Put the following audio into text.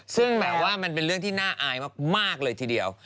ซึ่งแบบว่ามันเป็นเรื่องที่น่าอายมากเลยทีเดียว